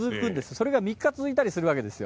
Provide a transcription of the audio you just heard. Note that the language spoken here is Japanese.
それが３日続いたりするわけですよ。